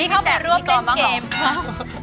นี่เขามาร่วมเล่นเกมไม่มีแจกพิมพิกรบ้างเหรอ